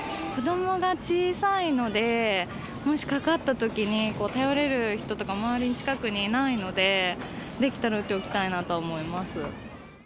子どもが小さいので、もしかかったときに、頼れる人とか周りに近くにいないので、できたら打っておきたいなとは思います。